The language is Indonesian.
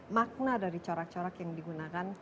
makna dari corak corak yang digunakan